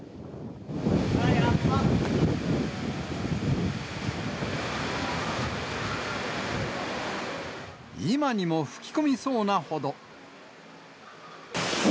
うわ、今にも吹き込みそうなほど。